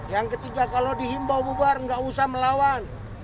yang ketiga kalau dihimbau bubar nggak usah melawan